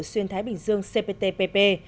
xuyên thái bình dương cptpp